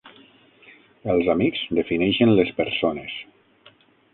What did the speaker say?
Els amics defineixen les persones.